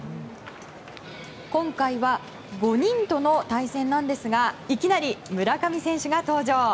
今回は５人との対戦なんですがいきなり村上選手が登場。